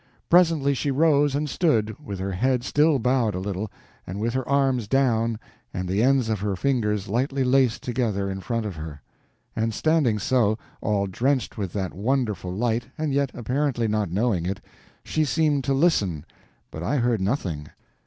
Presently she rose and stood, with her head still bowed a little, and with her arms down and the ends of her fingers lightly laced together in front of her; and standing so, all drenched with that wonderful light, and yet apparently not knowing it, she seemed to listen—but I heard nothing.